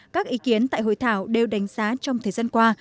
các ý kiến tại hội thảo đều đánh giá trong thời gian qua